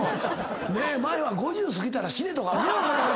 前は「５０すぎたら死ね」とか訳分からんこと。